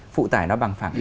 phụ tải nó bằng phẳng